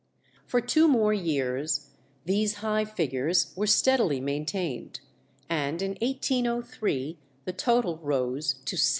For two more years these high figures were steadily maintained, and in 1803 the total rose to 710.